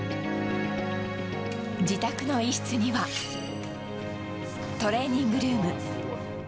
自宅の一室にはトレーニングルーム。